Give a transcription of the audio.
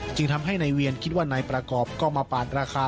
จึงทำให้นายเวียนคิดว่านายประกอบก็มาปาดราคา